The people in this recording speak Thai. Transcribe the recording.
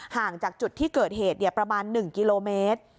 ห่างจากจุดที่เกิดเหตุประมาณ๑กิโลเมตร